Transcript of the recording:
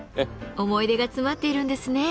思い出が詰まっているんですね。